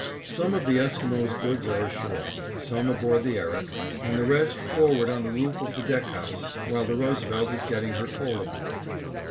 Some of the Esquimos' goods are ashore, some aboard the Erik, and the rest forward on the roof of the deck house, while the Roosevelt is getting her coal aboard.